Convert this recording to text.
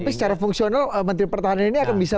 tapi secara fungsional menteri pertahanan ini akan bisa